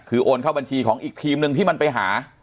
คือโอนเข้าบัญชีของอีกทีมหนึ่งที่มันไปหา